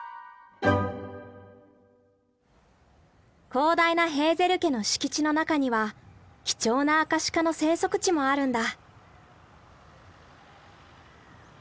広大なヘーゼル家の敷地の中には貴重なアカシカの生息地もあるんだ。